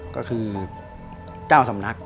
ก็คือเจ้าสำนัก